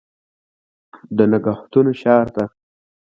د نګهتونو ښار ته